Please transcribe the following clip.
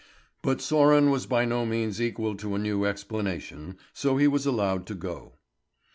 But Sören was by no means equal to a new explanation, so he was allowed to go.